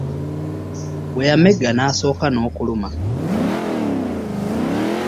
Bwe yamegga n'asaako n'okuluma .